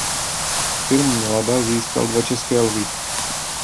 Film Milada získal dva České lvy.